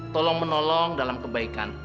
tolong menolong dalam kebaikan